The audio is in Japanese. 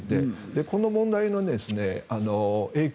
この問題の影響